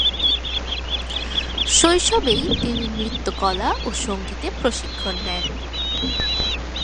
শৈশবেই তিনি নৃত্যকলা ও সঙ্গীতে প্রশিক্ষণ নেন।